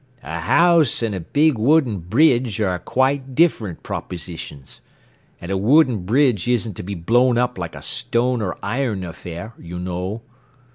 "A house and a big wooden bridge are quite different propositions. And a wooden bridge isn't to be blown up like a stone or iron affair, you know."